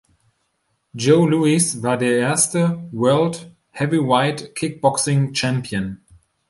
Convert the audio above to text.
Joe Lewis war der erste "World Heavyweight Kickboxing Champion".